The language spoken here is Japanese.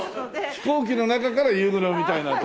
飛行機の中から夕暮れを見たいなと。